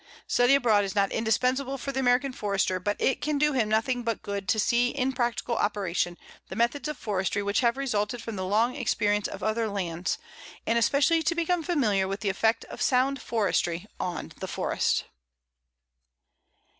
Study abroad is not indispensable for the American Forester, but it can do him nothing but good to see in practical operation the methods of forestry which have resulted from the long experience of other lands, and especially to become familiar with the effect of sound forestry on the forest.